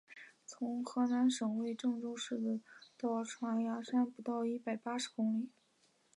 从河南省会郑州市到嵖岈山不过一百八十公里。